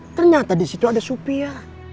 ternyata di situ ada supia